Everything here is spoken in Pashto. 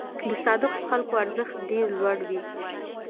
د صادقو خلکو ارزښت ډېر لوړ وي.